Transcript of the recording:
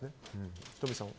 仁美さんは。